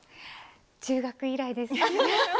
中学以来です。